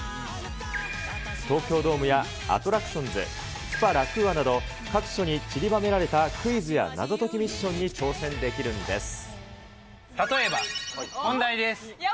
東京ドームやアトラクションズ、スパラクーアなど、各所に散りばめられたクイズや謎解きミッションに挑戦できるんで例えば、問題です。